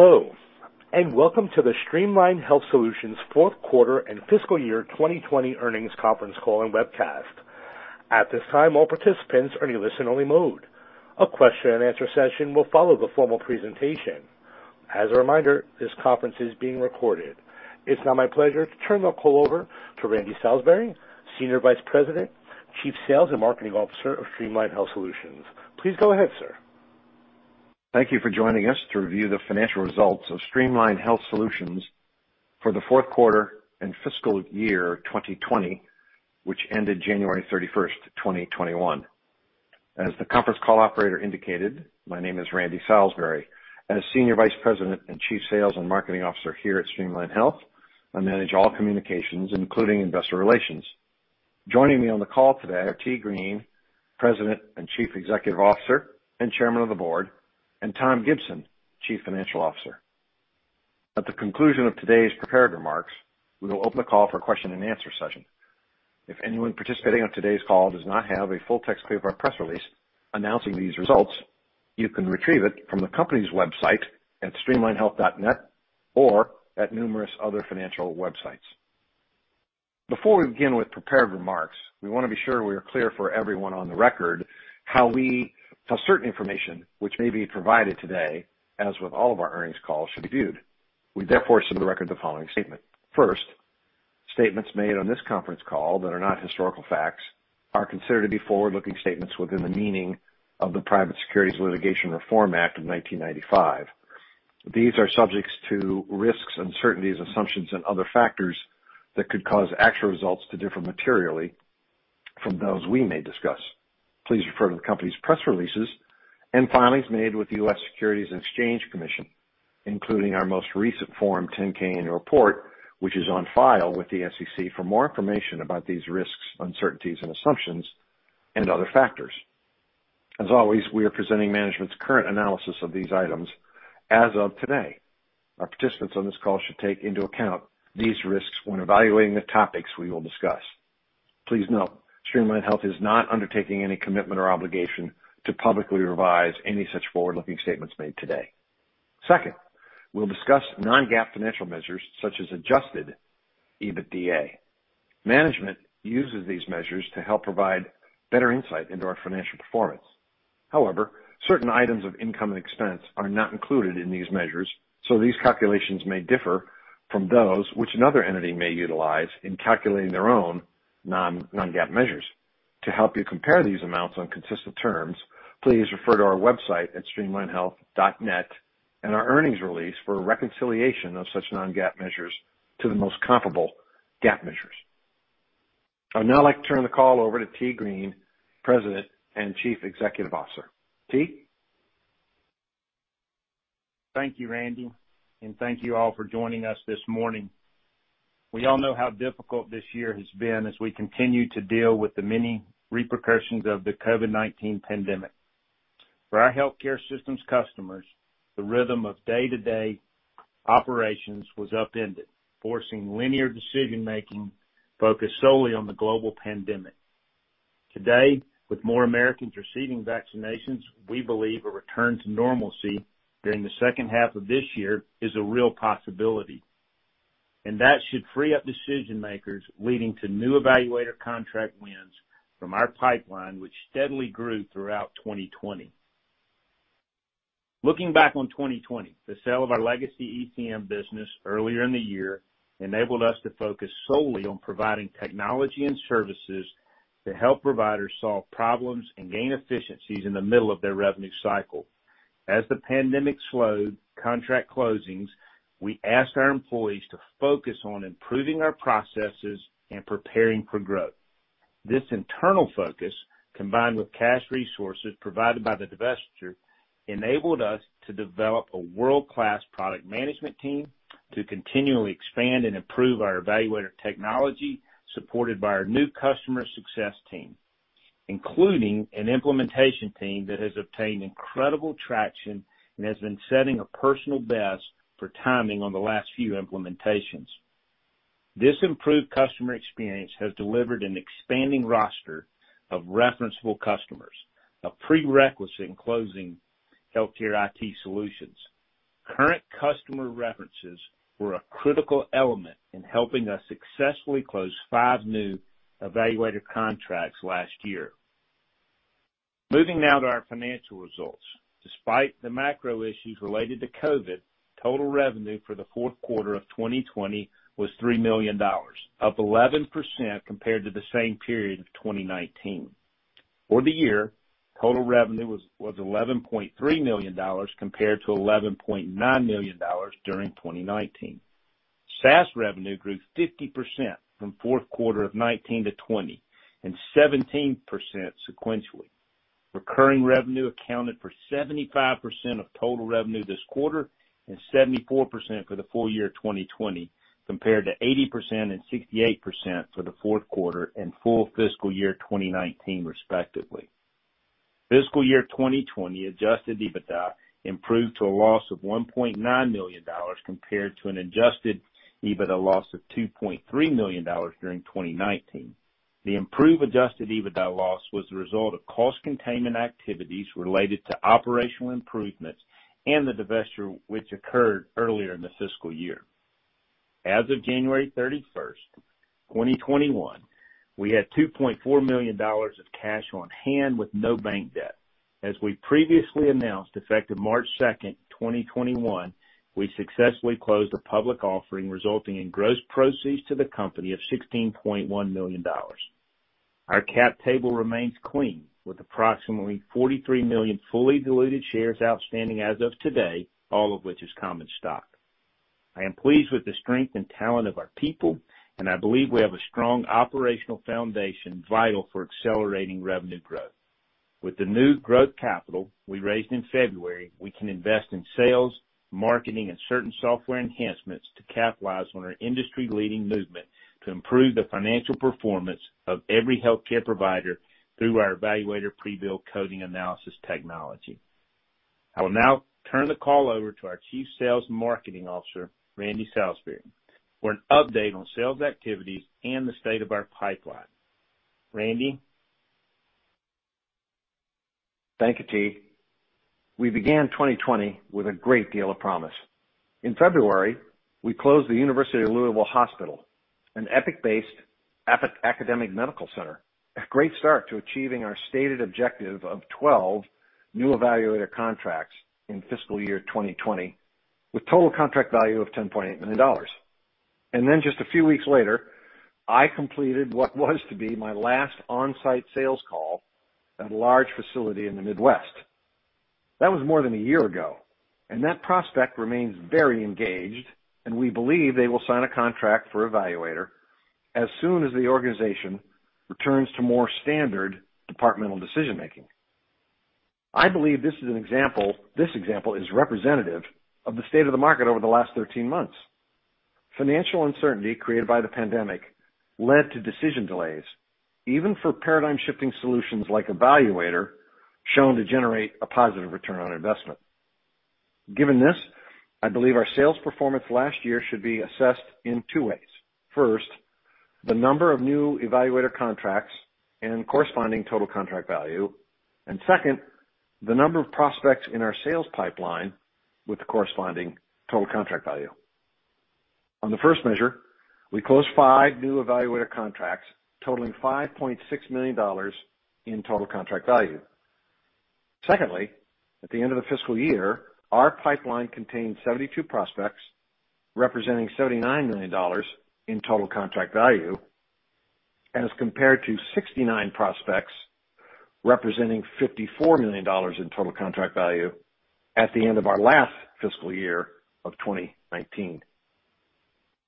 Hello, and welcome to the Streamline Health Solutions fourth quarter and fiscal year 2020 earnings conference call and webcast. At this time, all participants are in listen-only mode. A question and answer session will follow the formal presentation. As a reminder, this conference is being recorded. It's now my pleasure to turn the call over to Randy Salisbury, Senior Vice President, Chief Sales and Marketing Officer of Streamline Health Solutions. Please go ahead, sir. Thank you for joining us to review the financial results of Streamline Health Solutions for the fourth quarter and fiscal year 2020, which ended January 31st, 2021. As the conference call operator indicated, my name is Randy Salisbury. As Senior Vice President and Chief Sales and Marketing Officer here at Streamline Health, I manage all communications, including investor relations. Joining me on the call today are Tee Green, President and Chief Executive Officer and Chairman of the Board, and Tom Gibson, Chief Financial Officer. At the conclusion of today's prepared remarks, we will open the call for a question and answer session. If anyone participating on today's call does not have a full text copy of our press release announcing these results, you can retrieve it from the company's website at streamlinehealth.net or at numerous other financial websites. Before we begin with prepared remarks, we want to be sure we are clear for everyone on the record how certain information which may be provided today, as with all of our earnings calls, should be viewed. We therefore submit to the record the following statement. First, statements made on this conference call that are not historical facts are considered to be forward-looking statements within the meaning of the Private Securities Litigation Reform Act of 1995. These are subjects to risks, uncertainties, assumptions, and other factors that could cause actual results to differ materially from those we may discuss. Please refer to the company's press releases and filings made with the U.S. Securities and Exchange Commission, including our most recent Form 10-K annual report, which is on file with the SEC for more information about these risks, uncertainties, and assumptions and other factors. As always, we are presenting management's current analysis of these items as of today. Our participants on this call should take into account these risks when evaluating the topics we will discuss. Please note, Streamline Health is not undertaking any commitment or obligation to publicly revise any such forward-looking statements made today. Second, we'll discuss non-GAAP financial measures such as adjusted EBITDA. Management uses these measures to help provide better insight into our financial performance. However, certain items of income and expense are not included in these measures, so these calculations may differ from those which another entity may utilize in calculating their own non-GAAP measures. To help you compare these amounts on consistent terms, please refer to our website at streamlinehealth.net and our earnings release for a reconciliation of such non-GAAP measures to the most comparable GAAP measures. I'd now like to turn the call over to Tee Green, President and Chief Executive Officer. Tee? Thank you, Randy, and thank you all for joining us this morning. We all know how difficult this year has been as we continue to deal with the many repercussions of the COVID-19 pandemic. For our healthcare systems customers, the rhythm of day-to-day operations was upended, forcing linear decision-making focused solely on the global pandemic. Today, with more Americans receiving vaccinations, we believe a return to normalcy during the second half of this year is a real possibility, and that should free up decision-makers, leading to new eValuator contract wins from our pipeline, which steadily grew throughout 2020. Looking back on 2020, the sale of our legacy ECM business earlier in the year enabled us to focus solely on providing technology and services to help providers solve problems and gain efficiencies in the middle of their revenue cycle. As the pandemic slowed contract closings, we asked our employees to focus on improving our processes and preparing for growth. This internal focus, combined with cash resources provided by the divestiture, enabled us to develop a world-class product management team to continually expand and improve our eValuator technology, supported by our new customer success team, including an implementation team that has obtained incredible traction and has been setting a personal best for timing on the last few implementations. This improved customer experience has delivered an expanding roster of referenceable customers, a prerequisite in closing healthcare IT solutions. Current customer references were a critical element in helping us successfully close five new eValuator contracts last year. Moving now to our financial results. Despite the macro issues related to COVID-19, total revenue for the fourth quarter of 2020 was $3 million, up 11% compared to the same period of 2019. For the year, total revenue was $11.3 million, compared to $11.9 million during 2019. SaaS revenue grew 50% from fourth quarter of 2019 to 2020 and 17% sequentially. Recurring revenue accounted for 75% of total revenue this quarter and 74% for the full year 2020, compared to 80% and 68% for the fourth quarter and full fiscal year 2019, respectively. Fiscal year 2020 adjusted EBITDA improved to a loss of $1.9 million compared to an adjusted EBITDA loss of $2.3 million during 2019. The improved adjusted EBITDA loss was the result of cost containment activities related to operational improvements and the divestiture, which occurred earlier in the fiscal year. As of January 31st, 2021, we had $2.4 million of cash on hand with no bank debt. As we previously announced, effective March 2nd, 2021, we successfully closed a public offering resulting in gross proceeds to the company of $16.1 million. Our cap table remains clean with approximately $43 million fully diluted shares outstanding as of today, all of which is common stock. I am pleased with the strength and talent of our people, and I believe we have a strong operational foundation vital for accelerating revenue growth. With the new growth capital we raised in February, we can invest in sales, marketing, and certain software enhancements to capitalize on our industry-leading movement to improve the financial performance of every healthcare provider through our eValuator pre-bill coding analysis technology. I will now turn the call over to our Chief Sales and Marketing Officer, Randy Salisbury, for an update on sales activities and the state of our pipeline. Randy? Thank you, Tee. We began 2020 with a great deal of promise. In February, we closed the University of Louisville Hospital, an Epic-based academic medical center, a great start to achieving our stated objective of 12 new eValuator contracts in fiscal year 2020, with total contract value of $10.8 million. Just a few weeks later, I completed what was to be my last on-site sales call at a large facility in the Midwest. That was more than a year ago, and that prospect remains very engaged, and we believe they will sign a contract for eValuator as soon as the organization returns to more standard departmental decision-making. I believe this example is representative of the state of the market over the last 13 months. Financial uncertainty created by the pandemic led to decision delays, even for paradigm-shifting solutions like eValuator, shown to generate a positive return on investment. Given this, I believe our sales performance last year should be assessed in two ways. First, the number of new eValuator contracts and corresponding total contract value. Second, the number of prospects in our sales pipeline with the corresponding total contract value. On the first measure, we closed five new eValuator contracts totaling $5.6 million in total contract value. Secondly, at the end of the fiscal year, our pipeline contained 72 prospects, representing $79 million in total contract value, and as compared to 69 prospects representing $54 million in total contract value at the end of our last fiscal year of 2019.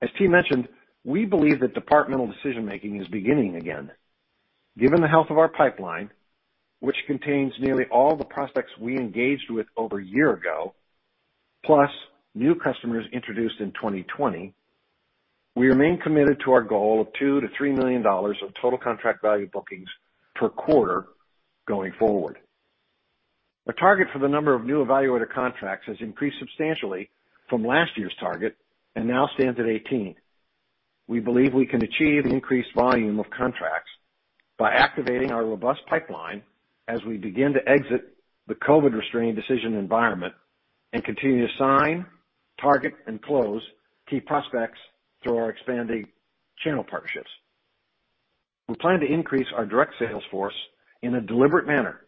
As Tee. mentioned, we believe that departmental decision-making is beginning again. Given the health of our pipeline, which contains nearly all the prospects we engaged with over a year ago, plus new customers introduced in 2020, we remain committed to our goal of $2 million to $3 million of total contract value bookings per quarter going forward. Our target for the number of new eValuator contracts has increased substantially from last year's target and now stands at 18. We believe we can achieve increased volume of contracts by activating our robust pipeline as we begin to exit the COVID-restrained decision environment and continue to sign, target, and close key prospects through our expanding channel partnerships. We plan to increase our direct sales force in a deliberate manner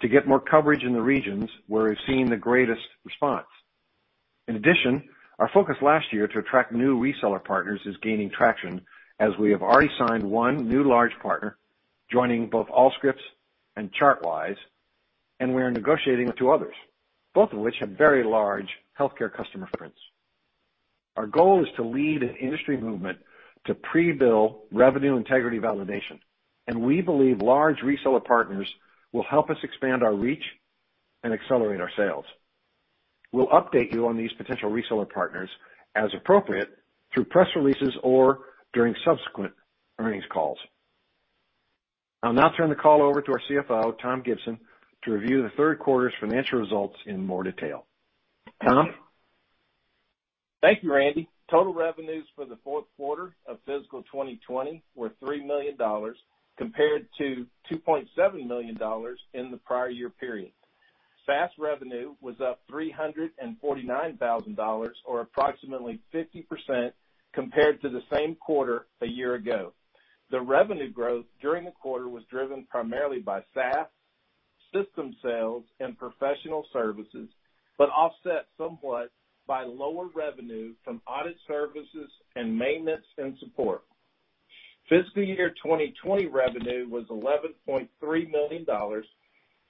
to get more coverage in the regions where we've seen the greatest response. In addition, our focus last year to attract new reseller partners is gaining traction as we have already signed one new large partner, joining both Allscripts and ChartWise. We are negotiating with two others, both of which have very large healthcare customer footprints. Our goal is to lead an industry movement to pre-bill revenue integrity validation, and we believe large reseller partners will help us expand our reach and accelerate our sales. We'll update you on these potential reseller partners as appropriate through press releases or during subsequent earnings calls. I'll now turn the call over to our CFO, Tom Gibson, to review the third quarter's financial results in more detail. Tom? Thank you, Randy. Total revenues for the fourth quarter of fiscal 2020 were $3 million compared to $2.7 million in the prior year period. SaaS revenue was up $349,000, or approximately 50%, compared to the same quarter a year ago. The revenue growth during the quarter was driven primarily by SaaS, system sales, and professional services, but offset somewhat by lower revenue from audit services and maintenance and support. Fiscal year 2020 revenue was $11.3 million,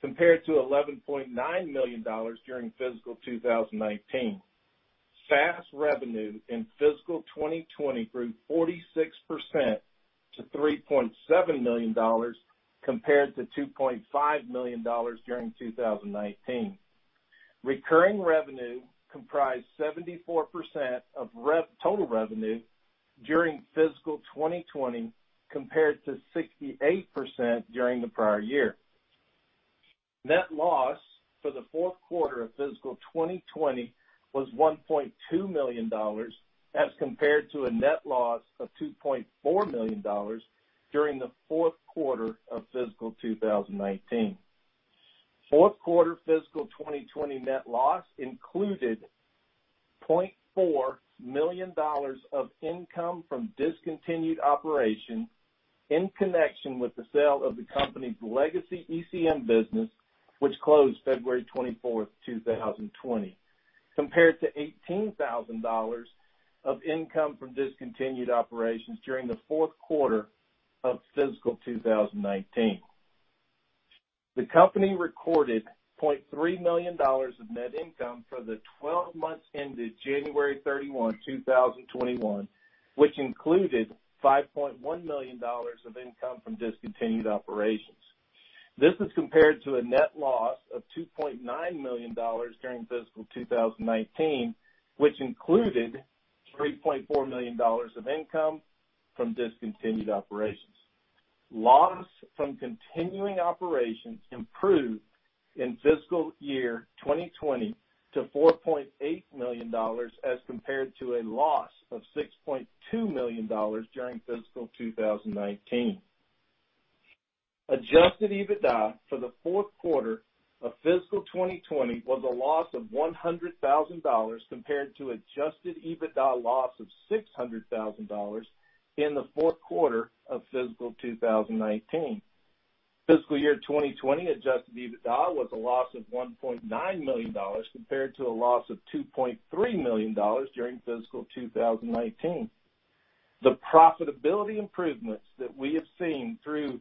compared to $11.9 million during fiscal 2019. SaaS revenue in fiscal 2020 grew 46% to $3.7 million, compared to $2.5 million during 2019. Recurring revenue comprised 74% of total revenue during fiscal 2020, compared to 68% during the prior year. Net loss for the fourth quarter of fiscal 2020 was $1.2 million, as compared to a net loss of $2.4 million during the fourth quarter of fiscal 2019. Fourth quarter fiscal 2020 net loss included $0.4 million of income from discontinued operations in connection with the sale of the company's legacy ECM business, which closed February 24, 2020, compared to $18,000 of income from discontinued operations during the fourth quarter of fiscal 2019. The company recorded $0.3 million of net income for the 12 months ended January 31, 2021, which included $5.1 million of income from discontinued operations. This is compared to a net loss of $2.9 million during fiscal 2019, which included $3.4 million of income from discontinued operations. Loss from continuing operations improved in fiscal year 2020 to $4.8 million, as compared to a loss of $6.2 million during fiscal 2019. Adjusted EBITDA for the fourth quarter of fiscal 2020 was a loss of $100,000, compared to adjusted EBITDA loss of $600,000 in the fourth quarter of fiscal 2019. Fiscal year 2020 adjusted EBITDA was a loss of $1.9 million, compared to a loss of $2.3 million during fiscal 2019. The profitability improvements that we have seen through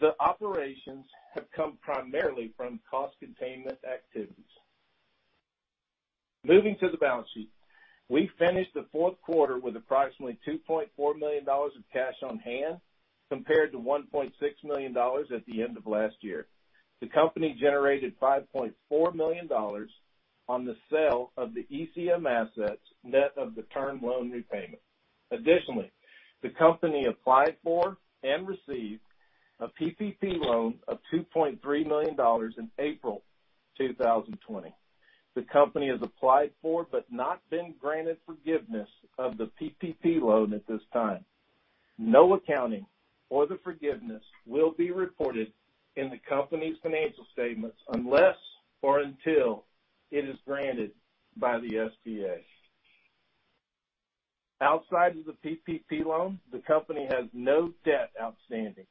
the operations have come primarily from cost containment activities. Moving to the balance sheet. We finished the fourth quarter with approximately $2.4 million of cash on hand, compared to $1.6 million at the end of last year. Additionally, the company generated $5.4 million on the sale of the ECM assets, net of the term loan repayment. The company applied for and received a PPP loan of $2.3 million in April 2020. The company has applied for, but not been granted forgiveness of the PPP loan at this time. No accounting for the forgiveness will be reported in the company's financial statements unless or until it is granted by the SBA. Outside of the PPP loan, the company has no debt outstanding.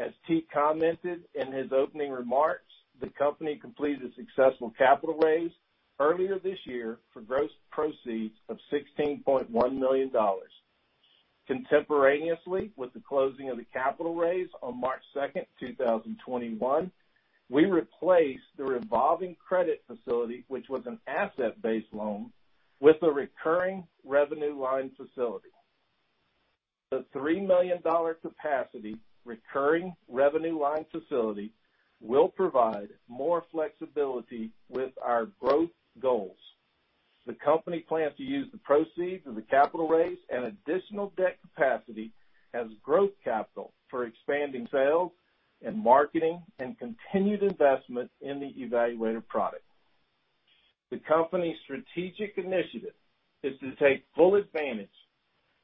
As Tee commented in his opening remarks, the company completed a successful capital raise earlier this year for gross proceeds of $16.1 million. Contemporaneously with the closing of the capital raise on March 2nd, 2021, we replaced the revolving credit facility, which was an asset-based loan, with a recurring revenue line facility. The $3 million capacity recurring revenue line facility will provide more flexibility with our growth goals. The company plans to use the proceeds of the capital raise and additional debt capacity as growth capital for expanding sales and marketing and continued investment in the eValuator product. The company's strategic initiative is to take full advantage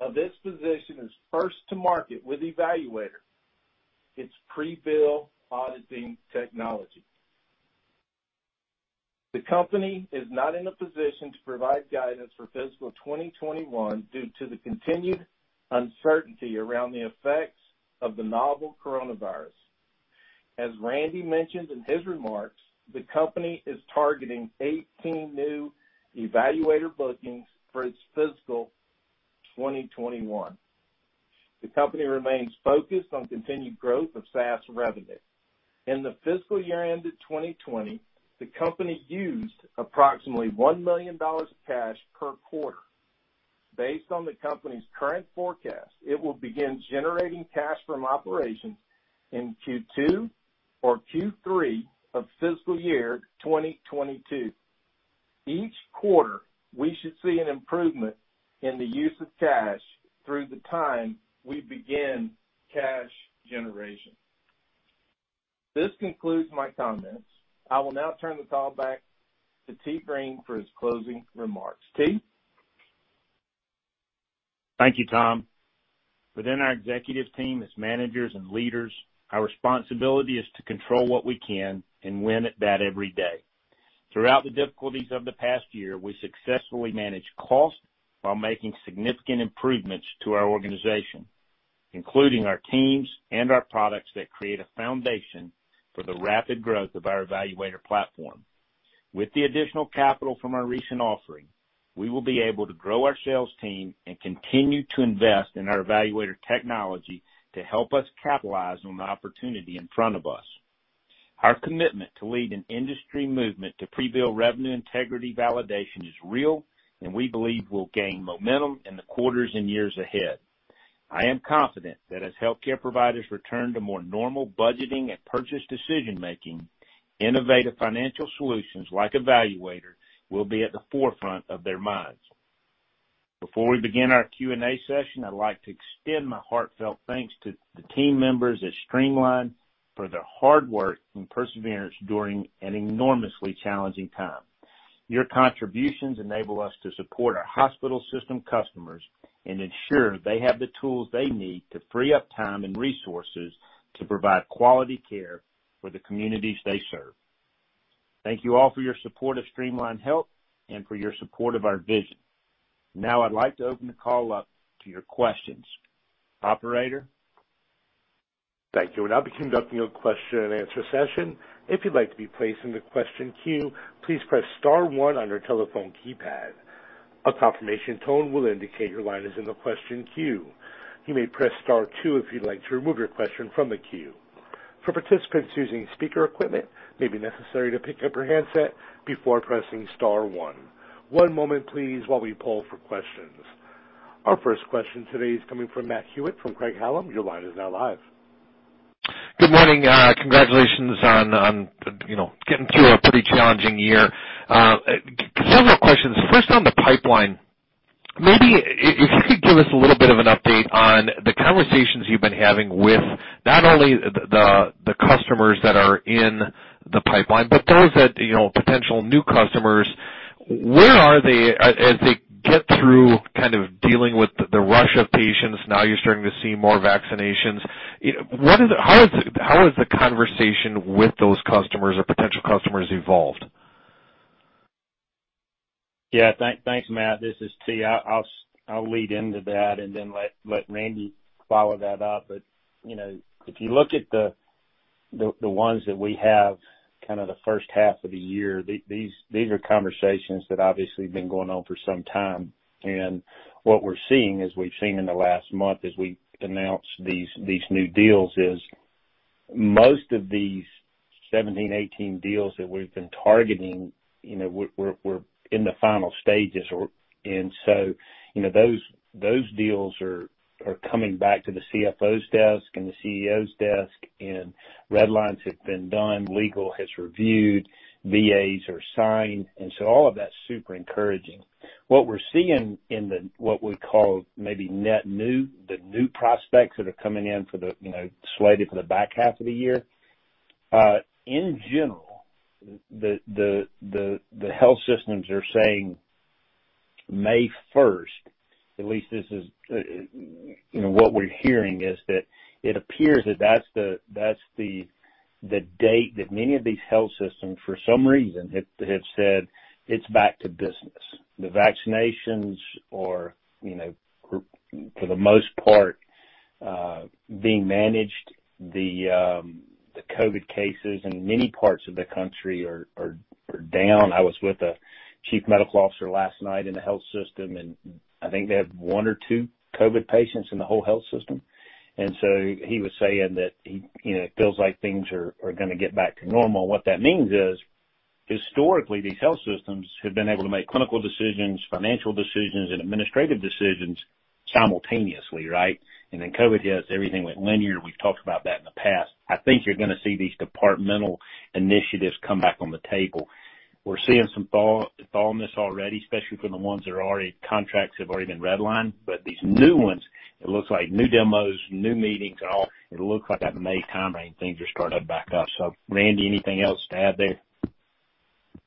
of its position as first to market with eValuator, its pre-bill auditing technology. The company is not in a position to provide guidance for fiscal 2021 due to the continued uncertainty around the effects of the novel coronavirus. As Randy mentioned in his remarks, the company is targeting 18 new eValuator bookings for its fiscal 2021. The company remains focused on continued growth of SaaS revenue. In the fiscal year ended 2020, the company used approximately $1 million of cash per quarter. Based on the company's current forecast, it will begin generating cash from operations in Q2 or Q3 of fiscal year 2022. Each quarter, we should see an improvement in the use of cash through the time we begin cash generation. This concludes my comments. I will now turn the call back to Tee Green for his closing remarks. Tee? Thank you, Tom. Within our executive team, as managers and leaders, our responsibility is to control what we can and win at that every day. Throughout the difficulties of the past year, we successfully managed cost while making significant improvements to our organization, including our teams and our products that create a foundation for the rapid growth of our eValuator platform. With the additional capital from our recent offering, we will be able to grow our sales team and continue to invest in our eValuator technology to help us capitalize on the opportunity in front of us. Our commitment to lead an industry movement to pre-bill revenue integrity validation is real, and we believe will gain momentum in the quarters and years ahead. I am confident that as healthcare providers return to more normal budgeting and purchase decision-making, innovative financial solutions like eValuator will be at the forefront of their minds. Before we begin our Q&A session, I'd like to extend my heartfelt thanks to the team members at Streamline for their hard work and perseverance during an enormously challenging time. Your contributions enable us to support our hospital system customers and ensure they have the tools they need to free up time and resources to provide quality care for the communities they serve. Thank you all for your support of Streamline Health and for your support of our vision. Now I'd like to open the call up to your questions. Operator? Thank you. We'll now be conducting a question and answer session. If you'd like to be placed into question queue, please press star one on your telephone keypad. A confirmation tone will indicate your line is in the question queue. You may press star two if you'd like to remove your question from the queue. For participants using speaker equipment, it may be necessary to pick up your handset before pressing star one. One moment please, while we poll for questions. Our first question today is coming from Matt Hewitt from Craig-Hallum. Your line is now live. Good morning. Congratulations on getting through a pretty challenging year. Several questions. On the pipeline, maybe if you could give us a little bit of an update on the conversations you've been having with not only the customers that are in the pipeline, but those potential new customers. Where are they as they get through dealing with the rush of patients, now you're starting to see more vaccinations. How has the conversation with those customers or potential customers evolved? Yeah. Thanks, Matt. This is Tee I'll lead into that and then let Randy follow that up. If you look at the ones that we have, the first half of the year, these are conversations that obviously have been going on for some time, and what we're seeing, as we've seen in the last month as we announce these new deals, is most of these 17, 18 deals that we've been targeting, we're in the final stages. Those deals are coming back to the CFO's desk and the CEO's desk, and red lines have been done, legal has reviewed, BAAs are signed, and so all of that's super encouraging. What we're seeing in the, what we call maybe net new, the new prospects that are coming in slated for the back half of the year, in general, the health systems are saying May 1st, at least what we're hearing is that it appears that that's the date that many of these health systems, for some reason, have said it's back to business. The vaccinations are, for the most part, being managed. The COVID-19 cases in many parts of the country are down. I was with a chief medical officer last night in a health system, I think they have one or two COVID-19 patients in the whole health system. He was saying that it feels like things are going to get back to normal. What that means is, historically, these health systems have been able to make clinical decisions, financial decisions, and administrative decisions simultaneously, right? Then COVID hits, everything went linear. We've talked about that in the past. I think you're going to see these departmental initiatives come back on the table. We're seeing some thaw in this already, especially for the ones that contracts have already been red lined. These new ones, it looks like new demos, new meetings, and all, it looks like that May timeframe, things are starting back up. Randy, anything else to add there?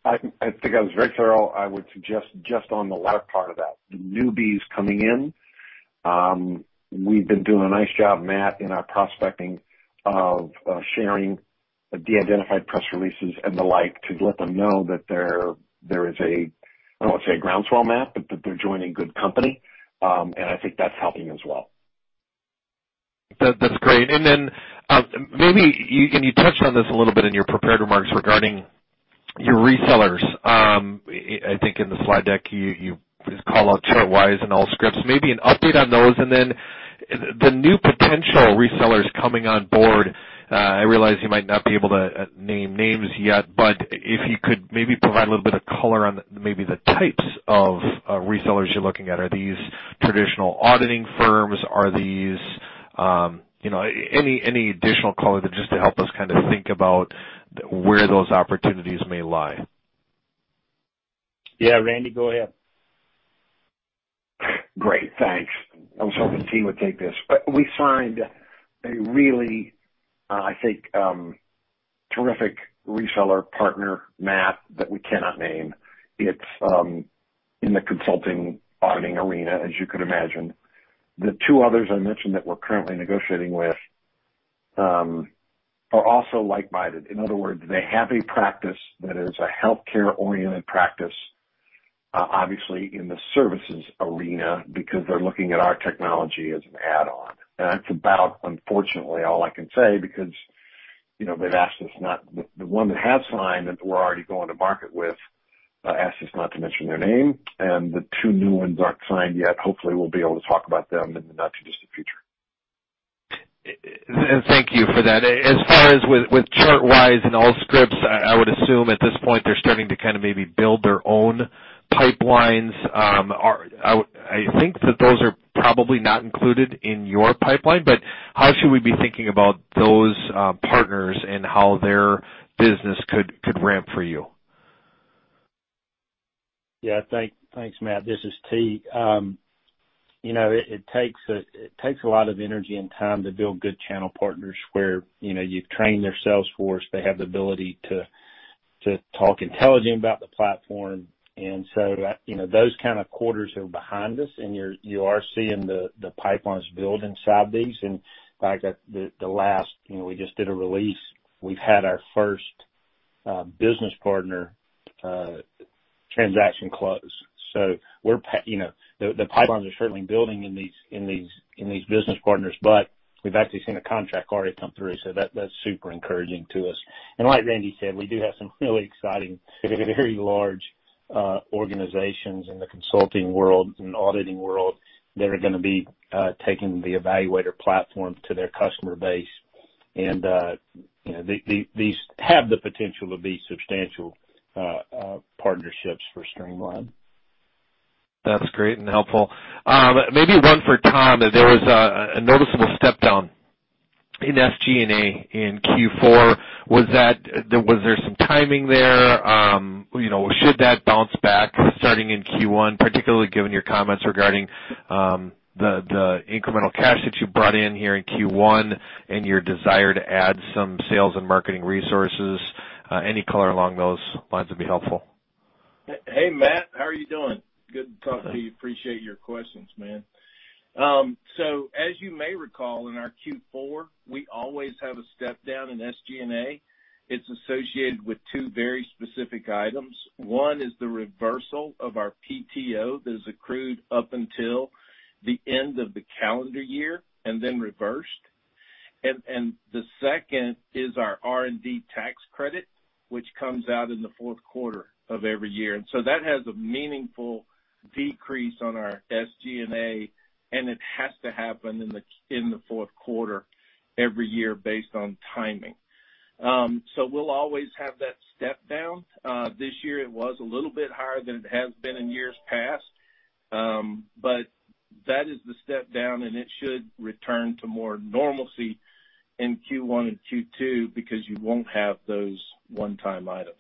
I think I was very thorough. I would suggest just on the latter part of that, the newbies coming in, we've been doing a nice job, Matt, in our prospecting of sharing the de-identified press releases and the like to let them know that there is a, I don't want to say a groundswell, Matt, but that they're joining good company, and I think that's helping as well. That's great. You touched on this a little bit in your prepared remarks regarding your resellers. I think in the slide deck, you call out ChartWise and Allscripts, maybe an update on those, and then the new potential resellers coming on board. I realize you might not be able to name names yet, but if you could maybe provide a little bit of color on maybe the types of resellers you're looking at. Are these traditional auditing firms? Any additional color just to help us think about where those opportunities may lie. Yeah. Randy, go ahead. Great. Thanks. I was hoping Tee would take this, but we signed a really, I think, terrific reseller partner, Matt, that we cannot name. It's in the consulting auditing arena, as you could imagine. The two others I mentioned that we're currently negotiating with are also like-minded. In other words, they have a practice that is a healthcare-oriented practice, obviously in the services arena because they're looking at our technology as an add-on. That's about, unfortunately, all I can say because the one that has signed that we're already going to market with asked us not to mention their name and the two new ones aren't signed yet. Hopefully we'll be able to talk about them in the not too distant future. Thank you for that. As far as with ChartWise and Allscripts, I would assume at this point they're starting to maybe build their own pipelines. I think that those are probably not included in your pipeline, but how should we be thinking about those partners and how their business could ramp for you? Yeah. Thanks, Matt. This is Tee. It takes a lot of energy and time to build good channel partners where you've trained their sales force, they have the ability to talk intelligent about the platform. Those kind of quarters are behind us, and you are seeing the pipelines build inside these. Back at the last, we just did a release. We've had our first business partner transaction close. The pipelines are certainly building in these business partners, but we've actually seen a contract already come through, so that's super encouraging to us. Like Randy said, we do have some really exciting, very large organizations in the consulting world and auditing world that are going to be taking the eValuator platform to their customer base. These have the potential to be substantial partnerships for Streamline. That's great and helpful. Maybe one for Tom. There was a noticeable step down in SG&A in Q4. Was there some timing there? Should that bounce back starting in Q1, particularly given your comments regarding the incremental cash that you brought in here in Q1 and your desire to add some sales and marketing resources? Any color along those lines would be helpful. Hey, Matt, how are you doing? Good to talk to you. Appreciate your questions, man. As you may recall, in our Q4, we always have a step down in SG&A. It's associated with two very specific items. One is the reversal of our PTO that is accrued up until the end of the calendar year and then reversed. The second is our R&D tax credit, which comes out in the fourth quarter of every year. That has a meaningful decrease on our SG&A, and it has to happen in the fourth quarter every year based on timing. We'll always have that step down. This year it was a little bit higher than it has been in years past. That is the step down, and it should return to more normalcy in Q1 and Q2 because you won't have those one-time items.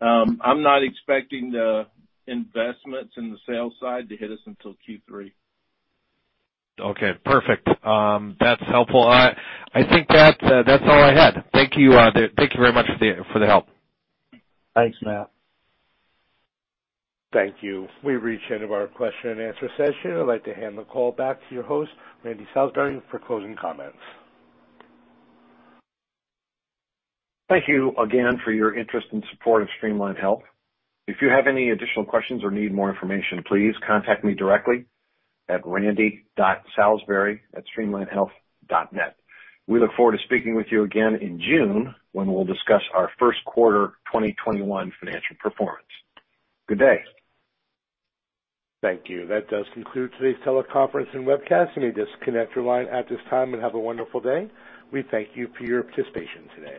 I'm not expecting the investments in the sales side to hit us until Q3. Okay, perfect. That's helpful. I think that's all I had. Thank you very much for the help. Thanks, Matt. Thank you. We've reached the end of our question and answer session. I'd like to hand the call back to your host, Randy Salisbury, for closing comments. Thank you again for your interest and support of Streamline Health. If you have any additional questions or need more information, please contact me directly at randy.salisbury@streamlinehealth.net. We look forward to speaking with you again in June when we'll discuss our first quarter 2021 financial performance. Good day. Thank you. That does conclude today's teleconference and webcast. You may disconnect your line at this time, and have a wonderful day. We thank you for your participation today.